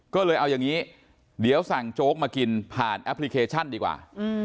ก็เลยเอาอย่างนี้เดี๋ยวสั่งโจ๊กมากินผ่านแอปพลิเคชันดีกว่า